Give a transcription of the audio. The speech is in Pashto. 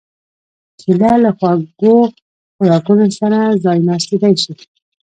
کېله له خوږو خوراکونو سره ځایناستېدای شي.